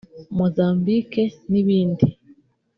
Mozambique n’ibindi